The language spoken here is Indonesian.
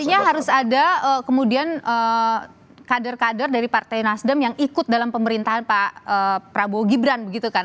artinya harus ada kemudian kader kader dari partai nasdem yang ikut dalam pemerintahan pak prabowo gibran begitu kan